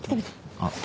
あっ。